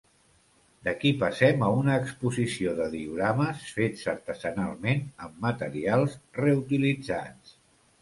D'aquí passem a una exposició de diorames, fets artesanalment amb materials reutilitzats.